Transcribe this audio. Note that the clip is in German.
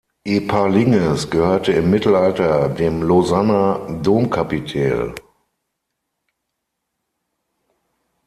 Epalinges gehörte im Mittelalter dem Lausanner Domkapitel.